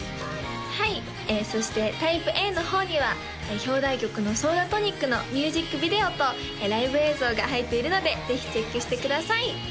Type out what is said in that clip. はいそしてＴｙｐｅＡの方には表題曲の「ソーダトニック」のミュージックビデオとライブ映像が入っているのでぜひチェックしてください